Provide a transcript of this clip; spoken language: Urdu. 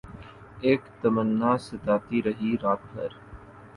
اک تمنا ستاتی رہی رات بھر